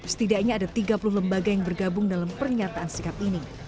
setidaknya ada tiga puluh lembaga yang bergabung dalam pernyataan sikap ini